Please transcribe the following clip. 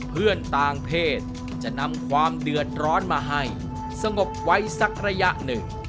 เพื่อนต่างเพศจะนำความเดือดร้อนมาให้สงบไว้สักระยะหนึ่ง